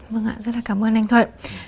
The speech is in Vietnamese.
vâng ạ rất là cảm ơn anh thuận